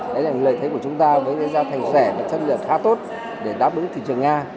đấy là lợi thế của chúng ta với giai đoạn thành sẻ và chất lượng khá tốt để đáp ứng thị trường nga